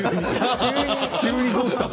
急にどうしたの？